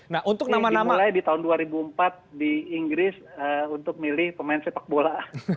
ini dimulai di tahun dua ribu empat di inggris untuk memilih pemain sepak bola